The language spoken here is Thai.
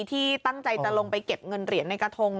ที่ตั้งใจจะลงไปเก็บเงินเหรียญในกระทง